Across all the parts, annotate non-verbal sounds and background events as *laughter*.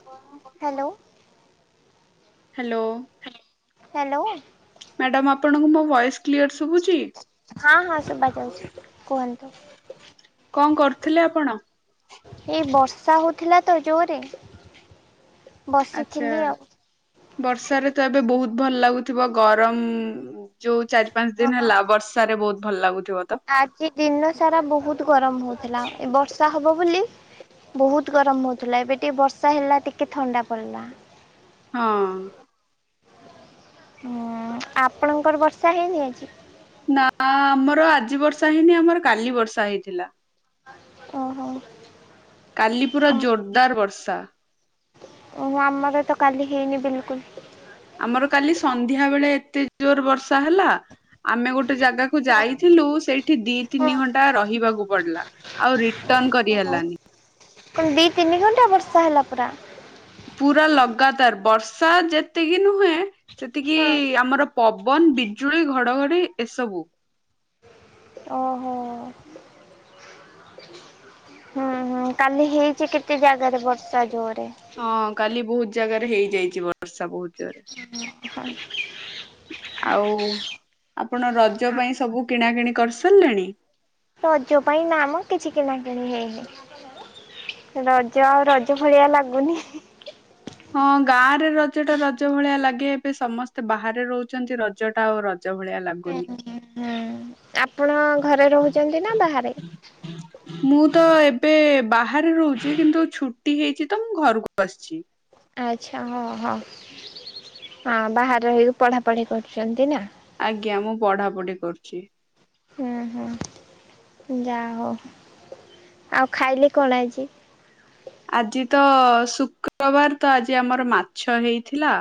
*unintelligible* Hello. Hello. Hello. Madam ଆପଣଙ୍କୁ ମୋ voice clear ସୁବୁଚି? ହଁ ହଁ ସୁବା ଯାଉଛି କୁହନ୍ତୁ। କଣ କରୁଥିଲେ ଆପଣ? ଏଇ ବର୍ଷା ହଉଥିଲା ତ ଜୋରେ। ଆଛା। ବସିଥିଲି ଆଉ ବର୍ଷାରେ ତ ଏବେ ବହୁତ ଭଲ ଲାଗୁଥିବ ଗରମ ଯୋଉ ଚାରି ପାଞ୍ଚ ଦିନ ହଁ। ହେଲା ବର୍ଷାରେ ବହୁତ ଭଲ ଲାଗୁଥିବ। ତ? ଆଜି ଦିନ ସାରା ବହୁତ ଗରମ ହଉଥିଲା ଏ ବର୍ଷା ହବ ବୋଲି ବହୁତ ଗରମ ହଉଥିଲା ଏବେ ଟିକେ ବର୍ଷା ହେଲା ଟିକେ ଥଣ୍ଡା ପଡିଲା। ହଁ। ହୁଁ ଆପଣଙ୍କର ବର୍ଷା ହେଇନି ଆଜି। ନା ଆମର ଆଜି ବର୍ଷା ହେଇନି ଆମର କାଲି ବର୍ଷା ହେଇଥିଲା। ଓହୋ। କାଲି ପୁରା ଆମ ଜୋରଦାର ବର୍ଷା। ଓ ଆମର ଏତ କାଲି ହେଇନି ବିଲକୁଲ। ଆମର କାଲି ସନ୍ଧ୍ୟା ବେଳେ ଏତେ ଜୋର ବର୍ଷା ହେଲା ଆମେ ଗୋଟେ ଜାଗା କୁ ହଁ ଯାଇଥିଲୁ ସେଇଠି ଦି ହଁ ତିନି ଘଣ୍ଟା ରହିବାକୁ ପଡିଲା ଆଉ ରିଟର୍ଣ କରି ଓହୋ। ହେଲାନି। କଣ ଦି ତିନି ଘଣ୍ଟା ବର୍ଷା ହେଲା ପୁରା। ପୁରା ଲଗାତାର ବର୍ଷା ଯେତିକି ନୁହେଁ ସେତିକି ହଁ ଆମର ପବନ ବିଜୁଳି ଘଡ଼ଘଡ଼ି ଏସବୁ। ଓହୋ। ହୁଁ ହୁଁ କାଲି ହେଇଛି କେତେ ଜାଗାରେ ବର୍ଷା ଯୋରେ। ହଁ କାଲି ବହୁତ ଜାଗାରେ ହେଇଯାଇଛି ବର୍ଷା ବହୁତ ଜୋରେ। ହଁ ଆଉ ଆପଣ ରଜ ପାଇଁ ସବୁ କିଣାକିଣି କରିସାରିଲେଣି। ରଜ ପାଇଁ ନାମ କିଛି କିଣାକିଣି ହେଇନି। ରଜ ଆଉ ରଜ ଭଳିଆ ଲାଗୁନି। ହଁ ଗାଁ ରେ ରଜ ଟା ରଜ ଭଳିଆ ଲାଗେ ଏବେ ସମସ୍ତେ ବାହାରେ ରହୁଛନ୍ତି ରଜ ଟା ଆଉ ରଜ ରଜଭଳିଆ ଲାଗୁନି। ହୁଁ ଆପଣ ଘରେ ରହୁଛନ୍ତି ନା ବାହାରେ। *inaudible* ମୁଁ ତ ଏବେ ବାହାରେ ରହୁଛି କିନ୍ତୁ ଛୁଟି ହେଇଛି ତ ମୁଁ ଘରକୁ ଆସିଛି। ଆଚ୍ଛା ହଁ ହଉ ହଁ ବାହାରେ ରହିକି ପଢ଼ାପଢ଼ି କରୁଛନ୍ତି ନା। ଆଜ୍ଞା ମୁଁ ପଢା ପଢି କରୁଛି। ହୁଁ ହୁଁ ଯା ହଉ ଆଉ ଖାଇଲେ କଣ ଆଜି? ଆଜି ତ ଶୁକ୍ରବାର ତ ଆଜି ଆମର ମାଛ ହେଇଥିଲା।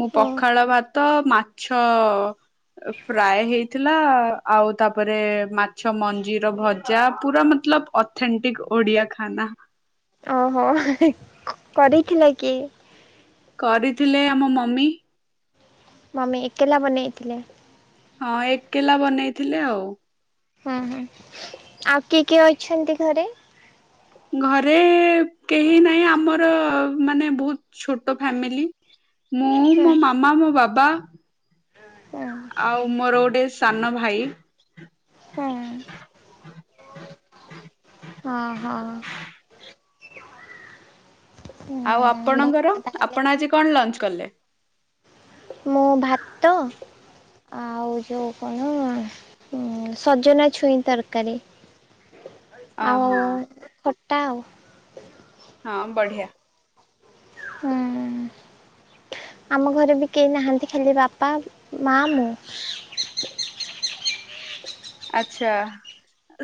ମୁଁ ପଖାଳ ଭାତ ମାଛ ଫ୍ରାଏ ହେଇଥିଲା ଆଉ ତାପରେ ମାଛ ମଞ୍ଜିର ଭଜା ପୁରା ମତଲବ ଅଥେଣ୍ଟିକ୍ ଓଡ଼ିଆ ଖାନା। ଓହୋ କରିଥିଲା କିଏ? କରିଥିଲେ ଆମ ମମି। ମମି ଏକଲା ବନେଇଥିଲେ। ହଁ ଏକଲା ବନେଇଥିଲେ ଆଉ। ହୁଁ ହୁଁ ଆଉ କିଏ କିଏ ଅଛନ୍ତି ଘରେ? ଘରେ କେହି ନାହିଁ ଆମର ମାନେ ବହୁତ ଛୋଟ ଫ୍ୟାମିଲି। ମୁଁ ହୁଁ ମୋ ମାମା ମୋ ବାବା ହୁଁ ଆଉ ମୋର ଗୋଟେ ସାନ ଭାଇ। ହୁଁ। *unintelligible* ହଁ ହଁ ଆଉ ହୁଁ ଭଲ ଆପଣଙ୍କର, ତାହେଲେ ଆପଣ ଆଜି କଣ ଲଞ୍ଚ କଲେ? ମୁଁ ଭାତ ଆଉ ଯୋଉ କଣ ଉଁ ସଜନା ଛୁଇଁ ତରକାରୀ। *unintelligible* ଆଉ ହଁ। ଖଟା ଆଉ। ହଁ ବଢିଆ। ହୁଁ। ଆମ ଘରେ ବି କେହି ନାହାନ୍ତି। ଖାଲି ବାପା ମା ମୁଁ। ଆଛା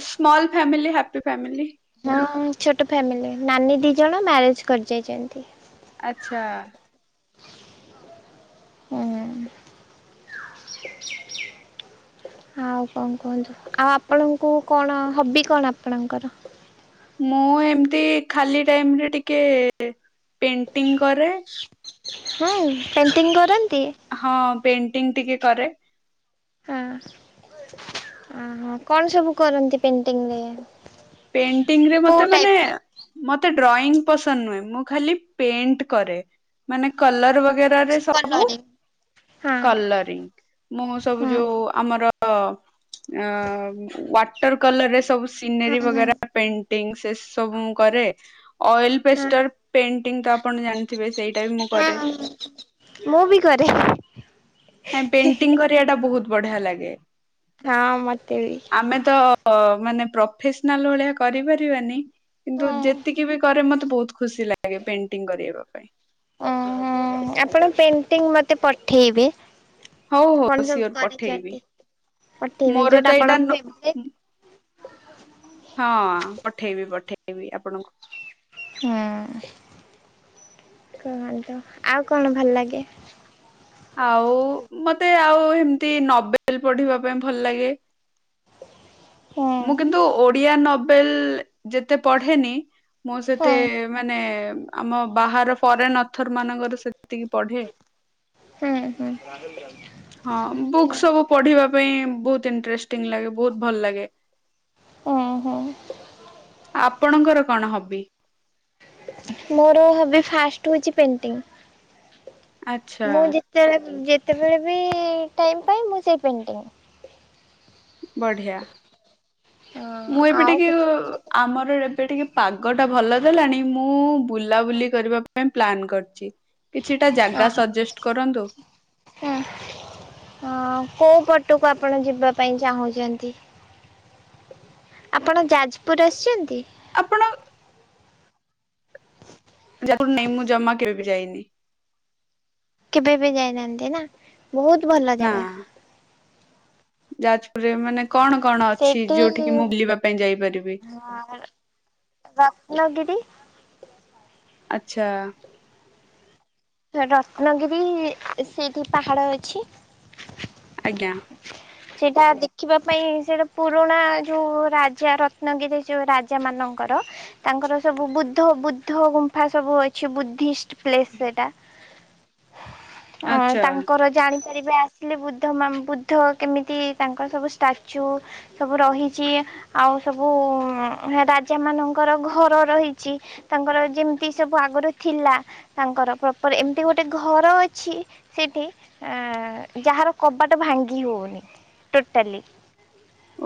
ସ୍ମଲ ଫ୍ୟାମିଲି ହାପି ଫ୍ଯାମିଲି। ହଁ ଉ ଛୋଟ ଫ୍ୟାମିଲି ନାନୀ ଦି ଜଣ ମ୍ୟାରେଜ କରି ଯାଇଛନ୍ତି। ଆଛା। ହୁଁ। ଆଉ କଣ କୁହନ୍ତୁ? ଆଉ ଆପଣଙ୍କୁ କଣ ହବି କଣ ଆପଣଙ୍କର। ମୁଁ ଏମିତି ଖାଲି ଟାଇମରେ ଟିକେ ପେଣ୍ଟିଂ କରେ। ହୁଁ ପେଣ୍ଟିଂ କରନ୍ତି। ହଁ ପେଣ୍ଟିଙ୍ଗ ଟିକେ କରେ। ହଁ ଅହୋ କଣ ସବୁ କରନ୍ତି ପେଣ୍ଟିଂ ରେ? ପେଣ୍ଟିଂରେ ମତେ ମାନେ। ମତେ ଡ୍ରଇଂ ପସନ୍ଦ ନୁହେଁ। ମୁଁ ଖାଲି ପେଣ୍ଟ କରେ ମାନେ କଲରବକ ପିଆରରେ ସବୁ କଲରିଂ ହଁ କଲରିଂ ମୁଁ ସବୁ ହଁ। ଯୋଉ ଆମର ତ ଆଁ ବ ୱାଟର କଲରରେ ସବୁ ସିନେରୀ ହୁଁ ହୁଁ। ପେଟିଂ ସେ ସବୁ ମୁଁ କରେ ଆଏଲେ ପେଷ୍ଟର ପେଣ୍ଟିଙ୍ଗ ତ ଆପଣ ଜାଣିଥିବେ, ସେଇଟା ବି ମୁଁ କରେ। ମୁଁ ବି କରେ। ନାଇ ପେଣ୍ଟିଙ୍ଗ କରିବା ଟା ବହୁତ ବଢିଆ ଲାଗେ। କାଁ ମତେବି। ଆମେ ତ ମାନେ ପ୍ରଫେସନାଲ ଭଳିଆ କରିପାରିବାନି। କିନ୍ତୁ ଯେତିକି ବି କରେ ମତେ ବହୁତ ଖୁସି ଲାଗେ ପେଣ୍ଟିଂ କରିବା ପାଇଁ। ଓହୋ ଆପଣ ପେଣ୍ଟିଂ ମତେ ପଠେଇବେ। ହଉ ହଉ କଣ ସବୁ ସିଓର ପଠେଇବି କରିଛନ୍ତି ପଠେଇବେ ମୋର ତ ଯୋଉଟା ଏଇଟା ଆପଣଙ୍କ ନ ଫେବ୍ରେଟ। ହଁ ପଠେଇବି ପଠେଇବି ଆପଣଙ୍କୁ। ହୁଁ କହନ୍ତୁ। ଆଉ କଣ ଭଲ ଲାଗେ। ଆଉ ମତେ ଆଉ ଏମିତି ନୋଭେଲ ପଢିବା ପାଇଁ ଭଲ ଲାଗେ। ହଁ *unintelligible* ମୁଁ କିନ୍ତୁ ଓଡିଆ ନବେଲ ଯେତେ ପଢେନି ମୁଁ ସେତେ ହୁଁ ମାନେ ଆମ ବାହାର ଫରେନ ଅଥର ମାନଙ୍କର ସେତିକି ପଢେ। ହୁଁ ହୁଁ। ହଁ ବୁକ୍ ସବୁ ପଢିବା ପାଇଁ ବହୁତ ଇଣ୍ଟରେଷ୍ଟିଙ୍ଗ ଲାଗେ ବହୁତ ଭଲ ଲାଗେ। ଓଁ ହୁଁ। ଆପଣଙ୍କର କଣ ହବି। ମୋର ହବି ଫାଷ୍ଟ ହଉଛି ପେଣ୍ଟିଂ। ଆଚ୍ଛା ମୁଁଯେ ଯେତେଳେ ଯେତେବେଳେ ବି ଟାଇମ ପାଏ ମୁଁ ସେଇ ପେଣ୍ଟିଙ୍ଗ। ବଢିଆ ହଁ ମୁଁ ଏବେ ଆଉ ଟିକେ କିଛି ଉ ସେମିତି ଆମର ଏବେ ଟିକେ ପାଗ ଟା ଭଲ ଦେଲାଣି। ମୁଁ ବୁଲାବୁଲି କରିବା ପ୍ଲାନ କରିଛି କିଛିଟା ଜାଗା ଓହୋ ସଜେଷ୍ଟ କରନ୍ତୁ। ହଁ। ହ କୋଉ ପଟକୁ ଆପଣ ଯିବା ପାଇଁ ଚାହୁଁଛନ୍ତି? ଆପଣ ଯାଜପୁର ଆସିଛନ୍ତି? ଆପଣ ଯାଜପୁର ନାଇ ମୁଁ ଜମା କେବେ ବି ଯାଇନି। କେବେ ବି ଯାଇନାହାନ୍ତି ନା ବହୁତ ଭଲ ନା। ଜାଗା। ଯାଜପୁରରେ ମାନେ କଣ କଣ ଅଛି ସେଇଠି ଯୋଉଠିକି ମୁଁ ବୁଲିବା ପାଇଁ ଯାଇପାରିବି? *inaudible* ରତ୍ନଗିରି। ଆଚ୍ଛା। ରତ୍ନଗିରି ସେଇଠି ପାହାଡ ଅଛି। ଆଜ୍ଞା। ସେଇଟା ଦେଖିବା ପାଇଁ ସେଇଟା ପୁରୁଣା ଯୋଉଁ ରାଜା ରତ୍ନଗିରି ଯୋଉ ରାଜା ମାନଙ୍କର। ତାଙ୍କର ସବୁ ବୁଦ୍ଧ ବୁଦ୍ଧ ଗୁମ୍ଫା ସବୁ ଅଛି ବୁଦ୍ଧି ପ୍ଲେସ ସେଇଟା। ଅ ଆଚ୍ଛା। ତାଙ୍କର ଜାଣିପାରିବେ ଆସିଲେ ବୁଦ୍ଧ ମା ବୁଦ୍ଧ କେମିତି ତାଙ୍କର ସବୁ ଷ୍ଟାଚ୍ୟୁ। ସବୁ ରହିଛି ଆଉ ସବୁ ରାଜା ମାନଙ୍କର ଘର ରହିଛି। ତାଙ୍କର ଯେମିତି ସବୁ ଆଗରୁ ଥିଲା। ତାଙ୍କର ପ୍ରପର ଏମିତି ଗୋଟେ ଘର ଅଛି ସେଠି ଯାହାର କବାଟ ଭାଙ୍ଗି ହଉନି ଟୋଟାଲି।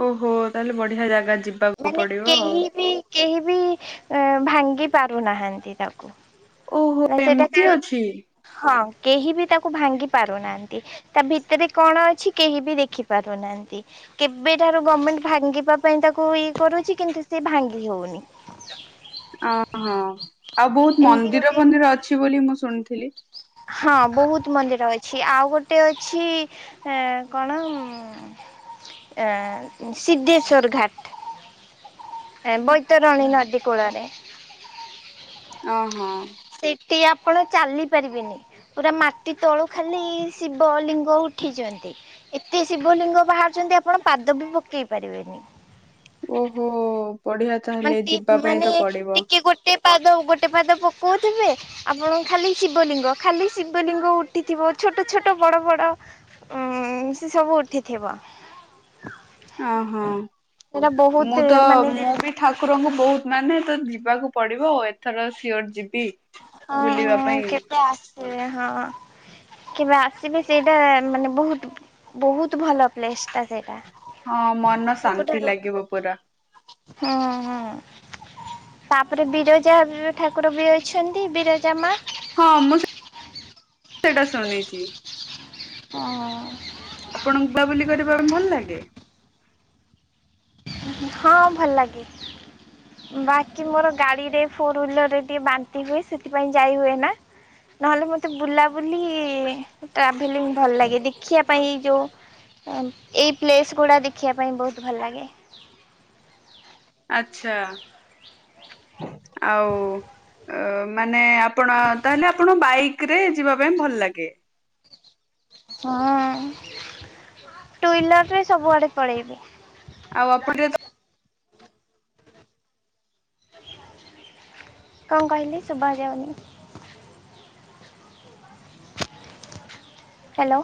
ଓହୋ ତାହେଲେ ବଢିଆ ଜାଗା ଯି ମାନେ କେହି ବି କେହି ବି ଭାଙ୍ଗି ପାରୁନାହାନ୍ତି ତାକୁ। ଓହୋ ନା ସେଟା କା ଏମିତି ଅଛି। ହଁ କେହି ବି ତାକୁ ଭାଙ୍ଗି ପାରୁନାହାନ୍ତି। ତା ଭିତରେ କଣ ଅଛି କେହି ବି ଦେଖି ପାରୁନାହାନ୍ତି। କେବେଟାରୁ ଗଭର୍ଣ୍ଣମେଣ୍ଟ ଭାଙ୍ଗିବା ପାଇଁ ତାକୁ ଇଏ କରୁଛି କିନ୍ତୁ ସି ଭାଙ୍ଗି ହଉନି। ଅହୋ ଆଉ ବହୁତ ଏମିତି ମନ୍ଦିର ଗୋଟେ ଫନ୍ଦିର ଅଛି ବୋଲି ମୁଁ ଶୁଣିଥିଲି? ହଁ ବହୁତ ମନ୍ଦିର ଅଛି ଆଉ ଗୋଟେ ଅଛି ଆ କଣ ସିଦ୍ଧେଶ୍ୱର ଘାଟ। ବୈତରଣୀ ଆଚ୍ଛା ନଦୀ କୂଳରେ। ଓହୋ। ସେଠି ଆପଣ ଚାଲି ପାରିବେନି ପୁରା ମାଟି ତଳକୁ। ଖାଲି ଶିବ ଲିଙ୍ଗ ଉଠିଛନ୍ତି ଏତେ ଶିବ ଲିଙ୍ଗ ବାହାରୁଛନ୍ତି ଆପଣ ପାଦ ବି ପକେଇ ପାରିବେନି। ଓହୋ। ବଢିଆ ମ ତାହେଲେ ଯିବା ପାଇଁ ମାନେ ତ ପଡିବ। ଟିକେ ଗୋଟେ ପାଦ ଗୋଟେ ପାଦ ପକଉଥିବେ। ଆପଣ ଖାଲି ଶିବଲିଙ୍ଗ ଖାଲି ଶିବଲିଙ୍ଗ ଉଠିଥିବ ଛୋଟ ଛୋଟ ବଡ ବଡ। ଉଁ ସେ ସବୁ ଉଠିଥିବ। ଓହୋ ସେଟା ବହୁତ ମୁଁ ତ ମାନେ ମୁଁ ବି ଠାକୁରଙ୍କୁ ବହୁତ ମାନେ ତ ଯିବାକୁ ପଡିବ ଆ ଏଥର ସିଓର ଯିବି। ହଁ ବୁଲିବା ହଁ ପାଇଁ। କେବେ ଆସିବେ ହଁ କେବେ ଆସିବେ ସେଇଟା ମାନେ ବହୁତ ବହୁତ ଭଲ ପ୍ଲେସ ଟା ସେଇଟା। ହଁ ମନ ଶାନ୍ତି ସବୁଠାରୁ ଲାଗିବ ପୁରା। ହୁଁ ହୁଁ। ତାପରେ ବିରଜା ଠାକୁର ବି ଅଛନ୍ତି ବିରଜା ମା। ହଁ ମୁଁ ସେଟା ଶୁଣିଛି। ହଁ। ଆପଣଙ୍କୁ ବୁଲାବୁଲି କରିବା ପାଇଁ ଭଲ ଲାଗେ? ହଁ ଭଲ ଲାଗେ। ବାକି ମୋର ଗାଡିରେ ଫୋର ହଲରରେ ଟିକେ ବାନ୍ତି ହୁଏ ସେଥିପାଇଁ ଯାଇ ହୁଏ ନା ନହେଲେ ମତେ ବୁଲାବୁଲି ଟ୍ରାଭେଲି ଭଲ ଲାଗେ ଦେଖିବା ପାଇଁ ଯୋଉ ଏଇ ପ୍ଲେସ୍ ଗୁଡା ଦେଖିବା ପାଇଁ ବହୁତ ଭଲ ଲାଗେ। ଆଛା ଆଉ ଅ ମାନେ ଆପଣ ତାହେଲେ ଆପଣ ବାଇକ ରେ ଯିବା ପାଇଁ ଭଲ ଲାଗେ। ହଁ ଟୁ ହିଲରରେ ସବୁଆଡେ ପଳେଇବେ। ଆଉ ଆପଣ ଯ କଣ କହିଲି ଶୁଭା ଯାଉନି। ହ୍ୟାଲୋ।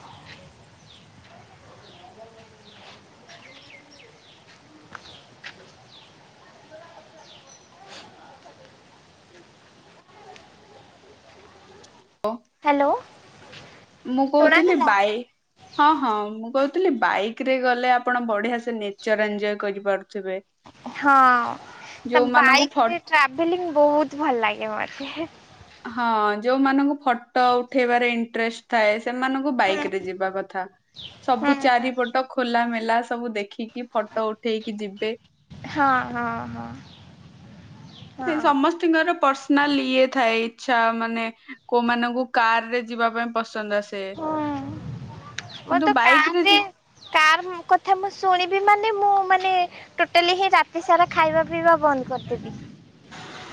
*inaudible* ହ୍ୟାଲୋ। ମୁଁ କହୁଥିଲି ଶୁଣାଗଲା ବାଇକ୍ ହଁ ହଁ ମୁଁ କହୁଥିଲି ବାଇକ୍ ରେ ଗଲେ ଆପଣ ବଢିଆ ସେ ନେଚର ଏନ୍ ଜୟ କରିପାରୁଥିବେ। ହଁ ଯୋଉମାନଙ୍କୁ ଫଟୋ ବାଇକରେ ଟ୍ରାଭେଲିଂ ବହୁତ ଭଲ ଲାଗେ ମତେ। ହଁ ଯୋଉମାନଙ୍କୁ ଫଟୋ ଉଠେଇବାରେ ଇଣ୍ଟରେଷ୍ଟ ଥାଏ ସେମାନଙ୍କୁ ହୁଁ ବାଇକରେ ଯିବା କଥା ସବୁ ହୁଁ ଚାରିପଟ ଖୋଲା ମେଲା ସବୁ ଦେଖିକି ଫଟୋ ଉଠେଇକି ଯିବେ। ହଁ ହଁ ହଁ। ନ ହଁ ସମସ୍ତଙ୍କିର ପର୍ସନାଲ ଇଏ ଥାଏ ଇଛା ମାନେ କୋଉମାନଙ୍କୁ କାରରେ ଯିବା ପାଇଁ ପସନ୍ଦ ଆସେ ସେ ହଁ ମୋର ତ କିନ୍ତୁ ବାଇକରେ କାରରେ ଜି କାର କଥା ମୁଁ ଶୁଣିବି ମାନେ ମୁଁ ମାନେ ଟୋଟାଲି ହିଁ ରାତି ସାରା ଖାଇବା ପିଇବା ବନ୍ଦ କରିଦେବି। *inaudible*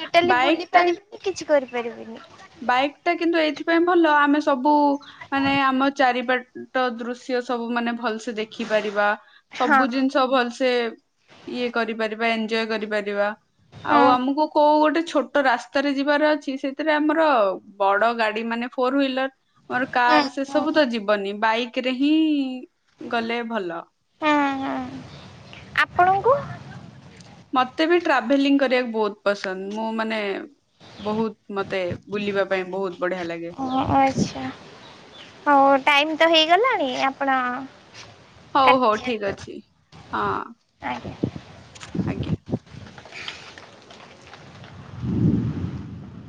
ଟୋଟାଲି ବୁଲି ବାଇକ୍ ଟା ପାରିବିନି କିଛି କରିପାରିବିନି ବାଇକ୍ ଟା କିନ୍ତୁ ଏଇଥିପାଇଁ ଭଲ ଆମେ ସବୁ ମାନେ ଆମ ଚାରିପଟ ତ ଦୃଶ୍ୟ ସବୁମାନେ ଭଲସେ ଦେଖିପାରିବା ହଁ ସବୁ ଜିନିଷ ଭଲସେ ଇଏ କରିପାରିବା ଏନଜୟ କରିପାରିବା ହଁ ଆଉ ଆମକୁ କୋଉ ଗୋଟେ ଛୋଟ ରାସ୍ତାରେ ଯିବାର ଅଛି ସେଥିରେ ଆମର ବଡଗାଡି ମାନେ ଫୋର ଭୀଲୱେର ମୋର ହଁ କାର୍ ସେ ହଁ। ସବୁ ତ ଯିବନି ବାଇକରେ ହିଁ ଗଲେ ଭଲ। ହଁ ହଁ ଆପଣ ମତେ ବି ଟ୍ରାଭେଲିଂ କରିବାକୁ ବହୁତ ପସନ୍ଦ ମୁଁ ମାନେ ବହୁତ ମତେ ବୁଲିବା ପାଇଁ ବହୁତ ବଢିଆ ଲାଗେ। ଓ ଆଚ୍ଛା ହଉ ଟାଇମ ତ ହେଇଗଲାଣି ଆପଣ ହଉ କାଟି ହଉ ଠିକ ଦିଅନ୍ତୁ ଅଛି ହଁ ଆଜ୍ଞା। ଆଜ୍ଞା। *inaudible*